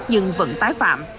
nhưng vẫn tái phạm